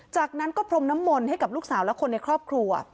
จากนั้นก็พรมน้ำมนต์ให้กับลูกสาวและคนในครอบครัว